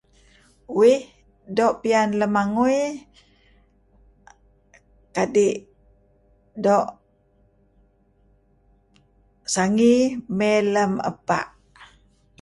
Uih do pian lamagui[aah] kadih do sangi may lam apah[aah]